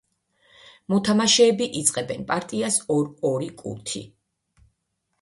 მოთამაშეები იწყებენ პარტიას ორ-ორი კუთი.